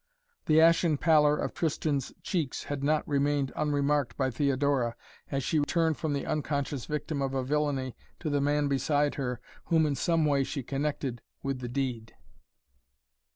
The ashen pallor of Tristan's cheeks had not remained unremarked by Theodora, as she turned from the unconscious victim of a villainy to the man beside her, whom in some way she connected with the deed.